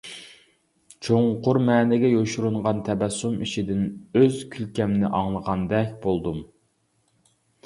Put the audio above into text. چوڭقۇر مەنىگە يوشۇرۇنغان تەبەسسۇم ئىچىدىن ئۆز كۈلكەمنى ئاڭلىغاندەك بولدۇم.